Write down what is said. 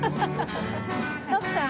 徳さん。